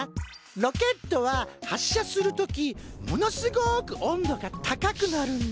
ロケットは発射する時ものすごく温度が高くなるんだ。